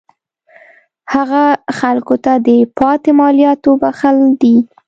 هغه خلکو ته د پاتې مالیاتو بخښل دي.